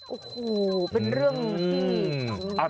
โอ้โหเป็นเรื่องที่